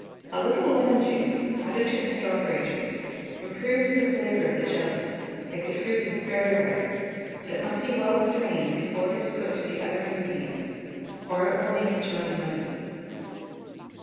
A little lemon juice added to the strawberry juice improves the flavour of the jelly, if the fruit is very ripe; but it must be well strained before it is put to the other ingredients, or it will make the jelly muddy.